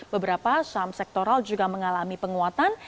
beberapa saham sektoral juga mengalami penguatan